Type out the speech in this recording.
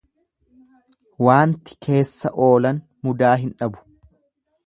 Waanti keessa oolan mudaa hin dhabu.